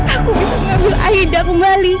aku bisa mengambil aida kembali